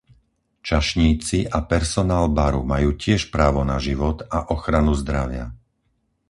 Čašníci a personál baru majú tiež právo na život a ochranu zdravia.